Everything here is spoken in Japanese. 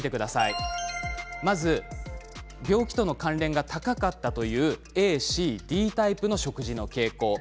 まず病気との関連が高かったというＡＣＤタイプの食事の傾向